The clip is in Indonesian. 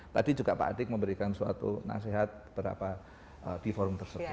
tadi juga pak adik memberikan suatu nasihat di forum tersebut